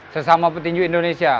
sesama petinju indonesia